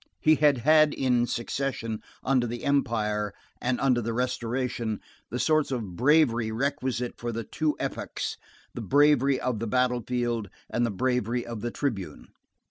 He had had in succession, under the Empire and under the Restoration, the sorts of bravery requisite for the two epochs, the bravery of the battle field and the bravery of the tribune.